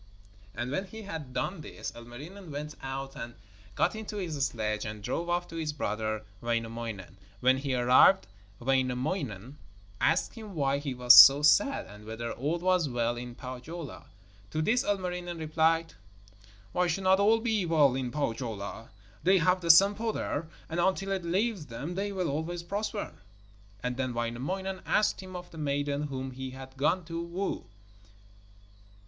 And when he had done this, Ilmarinen went out and got into his sledge and drove off to his brother Wainamoinen. When he arrived, Wainamoinen asked him why he was so sad, and whether all was well in Pohjola. To this Ilmarinen replied: 'Why should not all be well in Pohjola? They have the Sampo there, and until it leaves them they will always prosper.' And then Wainamoinen asked him of the maiden whom he had gone to woo.